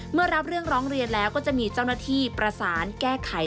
รับเรื่องร้องเรียนแล้วก็จะมีเจ้าหน้าที่ประสานแก้ไข